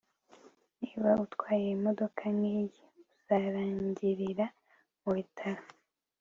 niba utwaye imodoka nkiyi, uzarangirira mubitaro